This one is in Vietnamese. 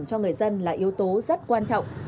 cho người dân là yếu tố rất quan trọng